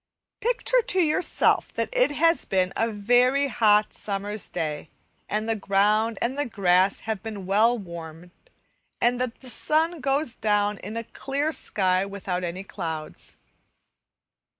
Picture to yourself that it has been a very hot summer's day, and the ground and the grass have been well warmed, and that the sun goes down in a clear sky without any clouds.